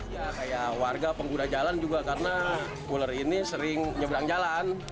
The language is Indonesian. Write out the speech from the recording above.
ya kayak warga pengguna jalan juga karena ular ini sering nyebrang jalan